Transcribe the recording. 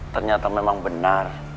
ternyata memang benar